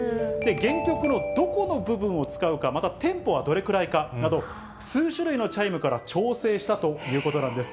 原曲のどこの部分を使うか、またテンポはどれくらいかなど、数種類のチャイムから調整したということなんです。